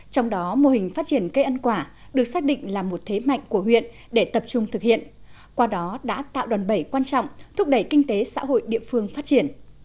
trong đó mô hình phát triển cây ăn quả được xác định là một thế mạnh của huyện để tập trung thực hiện qua đó đã tạo đòn bẩy quan trọng thúc đẩy kinh tế xã hội địa phương phát triển